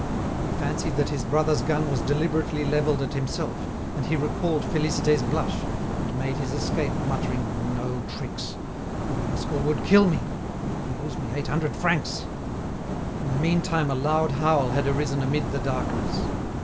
He fancied that his brother's gun was deliberately levelled at himself, and he recalled Félicité's blush, and made his escape, muttering: "No tricks! The rascal would kill me. He owes me eight hundred francs." In the meantime a loud howl had arisen amid the darkness.